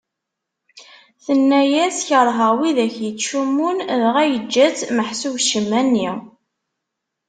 Tenna-yas kerheɣ widak ittcummun, dɣa yeǧǧa-tt ; meḥsub ccemma-nni.